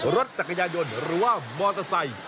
รถจักรยายนรถรถรถจักรยายนหรือว่ามอเตอร์ไซค์